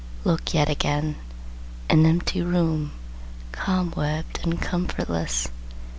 ... Look yet again An empty room, cobwebbed and comfortless.